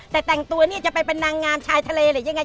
แต่แต่งตัวเนี่ยจะไปเป็นนางงามชายทะเลหรือยังไง